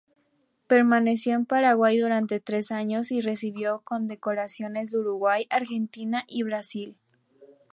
Permaneció en Paraguay durante tres años y recibió condecoraciones de Uruguay, Argentina y Brasil.